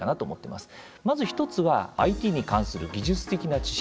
まず１つはＩＴに関する技術的な知識。